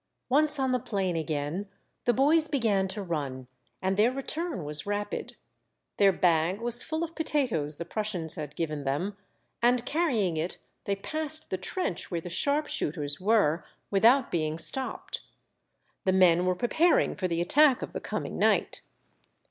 Once on the plain again, the boys began to run, and their return was rapid. Their bag was full of potatoes the Prussians had given them, and carry ing it they passed the trench where the sharp shooters were, without being stopped. The men wene preparing for the attack of the coming night.